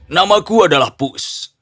nama ku adalah pus